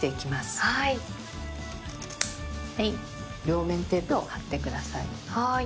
両面テープを貼ってください。